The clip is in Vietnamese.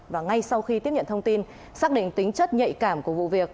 và ngay sau khi tiếp nhận thông tin xác định tính chất nhạy cảm của vụ việc